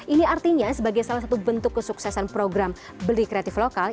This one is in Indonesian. ini artinya sebagai salah satu bentuk kesuksesan program beli kreatif lokal